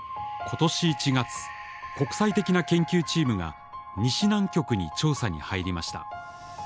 今年１月国際的な研究チームが西南極に調査に入りました。